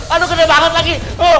aduh kena banget lagi